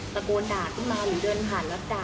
ประโกนด่าขึ้นมาหรือเดินผ่านวัดจ่าย